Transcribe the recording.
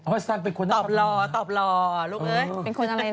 ตอบหล่อลูกเอ๊ยเป็นคนอะไรนะ